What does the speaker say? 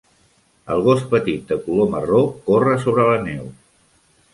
El gos petit de color marró corre sobre la neu.